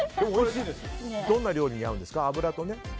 どんな料理に合うんですか？